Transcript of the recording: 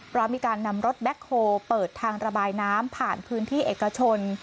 พร้อมมีการนำรถแบ็คโฮลเปิดทางระบายน้ำผ่านพื้นที่เอกชน